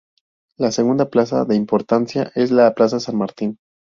La segunda plaza de importancia es la Plaza San Martín.